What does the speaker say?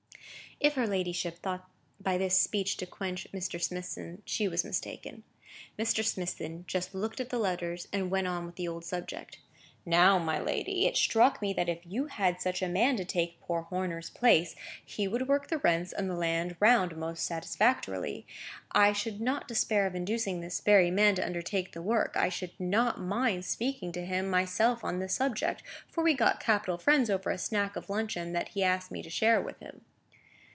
If her ladyship thought by this speech to quench Mr. Smithson she was mistaken. Mr. Smithson just looked at the letters, and went on with the old subject. "Now, my lady, it struck me that if you had such a man to take poor Horner's place, he would work the rents and the land round most satisfactorily. I should not despair of inducing this very man to undertake the work. I should not mind speaking to him myself on the subject, for we got capital friends over a snack of luncheon that he asked me to share with him."